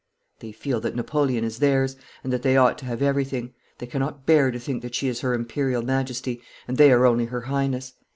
'They feel that Napoleon is theirs and that they ought to have everything. They cannot bear to think that she is Her Imperial Majesty and they are only Her Highness.